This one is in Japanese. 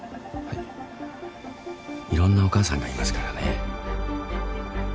いろんなお母さんがいますからね。